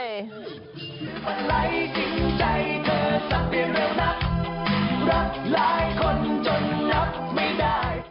รับหลายคนจนนับไม่ได้